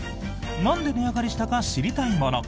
なんで値上がりしたか知りたいもの。